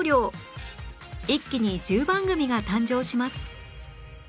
一気に１０番組が誕生します